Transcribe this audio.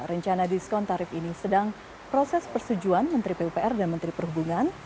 rencana diskon tarif ini sedang proses persetujuan menteri pupr dan menteri perhubungan